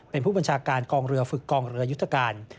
เป็นผู้บัญชาการกองเรือฝึกกองเรือยุทธการ